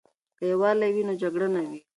که یووالی وي نو جګړه نه وي.